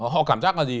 họ cảm giác là gì